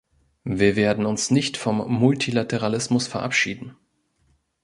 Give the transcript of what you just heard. Wir werden uns nicht vom Multilateralismus verabschieden.